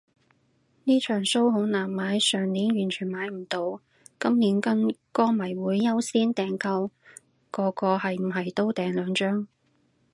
呢場騷好難買，上年完全買唔到，今年跟歌迷會優先訂購，個個係唔係都訂兩張